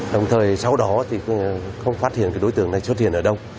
đồng thời sau đó thì không phát hiện cái đối tượng này xuất hiện ở đâu